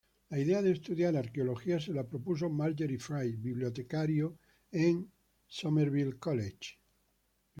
La idea de estudiar Arqueología se la propuso Margery Fry, bibliotecario en Somerville College.